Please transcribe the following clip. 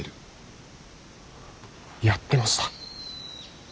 やってました！